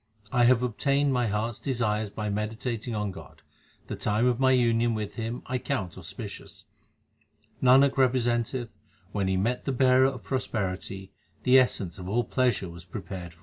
1 have obtained my heart s desires by meditating on God ; the time of my union with Him I account auspicious. Nanak representeth, when he met the Bearer of pros perity, the essence of all pleasure was prepared for him.